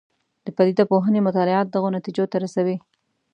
د پدیده پوهنې مطالعات دغو نتیجو ته رسوي.